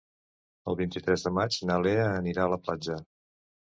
El vint-i-tres de maig na Lea anirà a la platja.